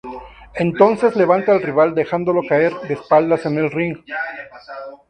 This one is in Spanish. Entonces levanta al rival dejándolo caer de espaldas en el ring.